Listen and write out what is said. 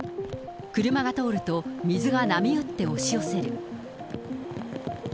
車が通ると、水が波打って押し寄せる。